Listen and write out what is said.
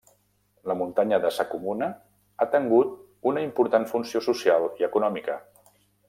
La muntanya de sa Comuna ha tengut una important funció social i econòmica.